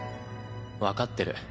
分かってる。